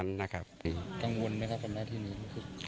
กังวลไหมครับประมาณที่นี้